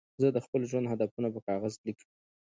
زه د خپل ژوند هدفونه په کاغذ لیکم.